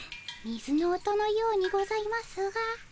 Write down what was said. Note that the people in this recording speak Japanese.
水の音のようにございますが。